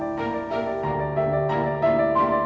kalo kita ke kantor kita bisa ke kantor